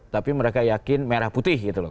tapi mereka yakin merah putih gitu loh